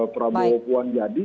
prabowo puan jadi kan